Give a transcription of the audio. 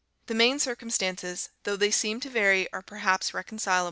The main circumstances, though they seem to vary, are perhaps reconcilable.